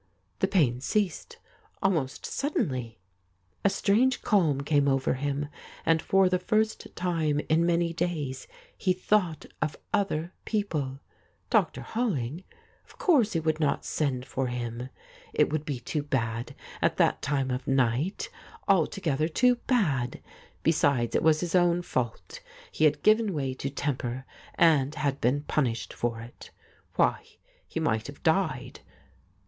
The pain ceased, almost suddenly. A strange calm came over him, and for the first time in manj' days he thought of other people. Dr. Holling } Of course he would not send for him. It would be too bad, at that time of night — altogether too bad. Besides, it was his own •fault. He had given way to temper, and had been punished for it. Why, he might have died.